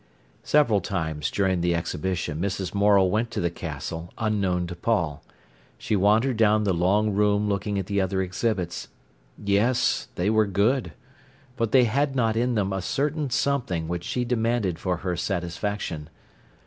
Several times during the exhibition Mrs. Morel went to the Castle unknown to Paul. She wandered down the long room looking at the other exhibits. Yes, they were good. But they had not in them a certain something which she demanded for her satisfaction.